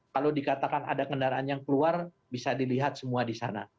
kalau dikatakan ada kendaraan yang keluar bisa dilihat semua di sana